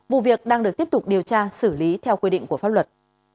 vụ việc đang được tiếp tục điều tra xử lý theo quy định của pháp luật